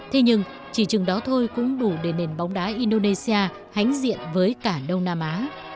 thế nhưng chỉ chừng đó thôi cũng đủ để nền bóng đá indonesia hãnh diện với cả đông nam á